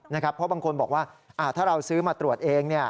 เพราะบางคนบอกว่าถ้าเราซื้อมาตรวจเอง